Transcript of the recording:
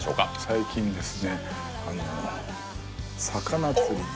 最近です